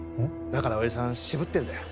だから親父さん渋ってんだよ